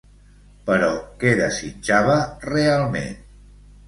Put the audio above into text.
Però què desitjava, realment?